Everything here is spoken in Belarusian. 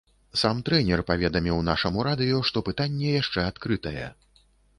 Сам трэнер паведаміў нашаму радыё, што пытанне яшчэ адкрытае.